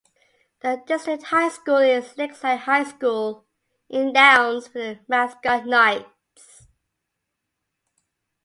The district high school is Lakeside High School in Downs with the mascot Knights.